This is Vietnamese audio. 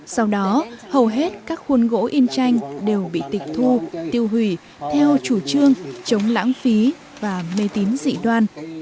sau đó hầu hết các khuôn gỗ in tranh đều bị tịch thu tiêu hủy theo chủ trương chống lãng phí và mê tín dị đoan